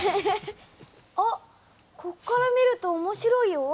あっこっから見ると面白いよ。